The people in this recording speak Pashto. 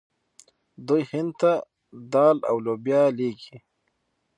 دوی هند ته دال او لوبیا لیږي.